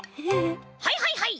はいはいはい！